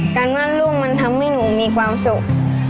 การวาดรูปมันทำให้หนูมีความสุข